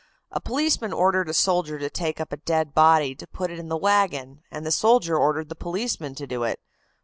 A policeman ordered a soldier to take up a dead body to put it in the wagon, and the soldier ordered the policeman to do it.